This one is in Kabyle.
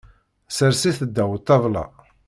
Sers-it ddaw ṭṭabla.